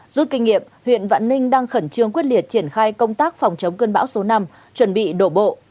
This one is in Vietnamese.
rút kinh nghiệm huyện vạn ninh đang khẩn trương quyết liệt triển khai công tác phòng chống cơn bão số năm chuẩn bị đổ bộ